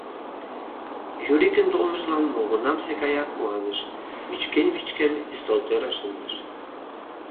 Юрикын толмыжлан молгунамсе гаяк куаныш, вӱчкен-вӱчкен, ӱстелтӧрыш шындыш.